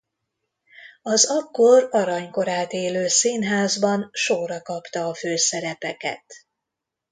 Az akkor aranykorát élő színházban sorra kapta a főszerepeket.